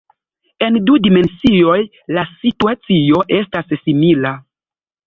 En du dimensioj la situacio estas simila.